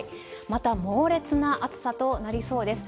また、猛烈な暑さとなりそうです。